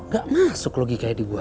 ga masuk logika jadi gua